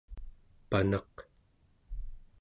panaq